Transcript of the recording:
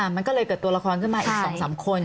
มันก็เลยเกิดตัวละครขึ้นมาอีก๒๓คน